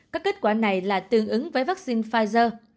các kết quả này là tương ứng với vaccine pfizer